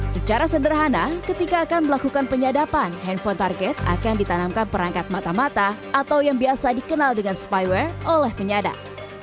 secara sederhana ketika akan melakukan penyadapan handphone target akan ditanamkan perangkat mata mata atau yang biasa dikenal dengan spyware oleh penyadap